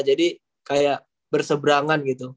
jadi kayak bersebrangan gitu